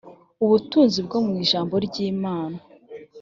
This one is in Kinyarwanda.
ubutunzi bwo mu ijambo ry imana